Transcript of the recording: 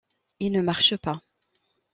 Il ne marche pas.